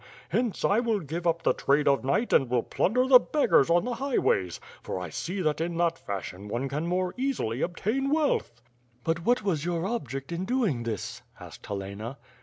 Hence, I will give up the trade of knight and will plunder the beggars on the high ways; for I see that in that fashion one can more easily obtain wealth." "But what was your object in doing this?" asked Helena.